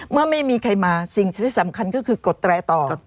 เมื่อไม่มีใครมาสิ่งที่สำคัญก็คือกดแตรต่อ